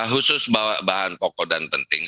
khusus bahan pokok dan penting